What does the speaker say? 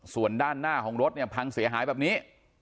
ส่วนด้านหน้าของรถเนี่ยพังเสียหายแบบนี้